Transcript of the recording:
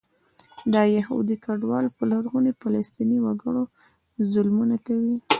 دا یهودي کډوال په لرغوني فلسطیني وګړو ظلمونه کوي.